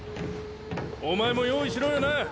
お前も用意しろよな。